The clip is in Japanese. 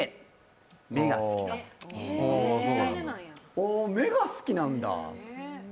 お、目が好きなんだ。